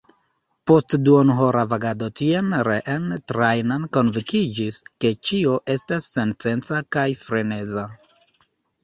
Post duonhora vagado tien, reen, Trajan konvinkiĝis, ke ĉio estas sensenca kaj freneza.